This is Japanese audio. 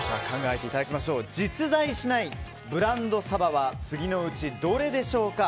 実在しないブランドサバは次のうちどれでしょうか。